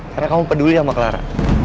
karena kamu peduli sama clara